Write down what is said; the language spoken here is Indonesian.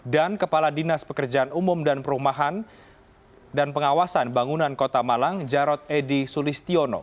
dan kepala dinas pekerjaan umum dan perumahan dan pengawasan bangunan kota malang jarod edy sulistiono